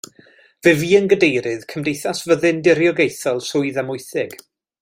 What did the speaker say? Fe fu yn Gadeirydd Cymdeithas Fyddin Diriogaethol Swydd Amwythig.